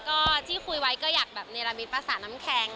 ก็ที่คุยไว้ก็อยากแบบเนรมิตภาษาน้ำแข็ง